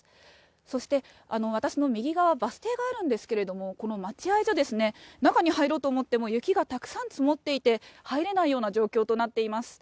そして、私の右側、バス停があるんですけども、この待合所ですね、中に入ろうと思っても、雪がたくさん積もっていて、入れないような状況となっています。